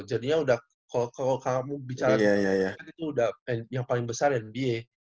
jadinya udah kalau kamu bicara kan itu udah yang paling besar nb